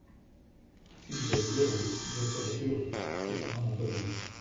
Si vous êtes heureuse, je serai heureux … Ce sera mon bonheur.